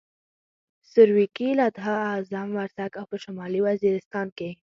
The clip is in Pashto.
سرویکي، لدها، اعظم ورسک او په شمالي وزیرستان کې.